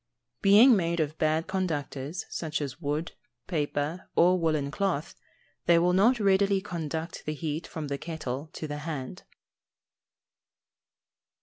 _ Being made of bad conductors, such as wood, paper, or woollen cloth, they will not readily conduct the heat from the kettle to the hand.